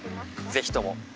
ぜひとも。